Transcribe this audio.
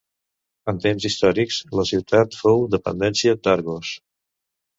En temps històrics la ciutat fou dependència d'Argos.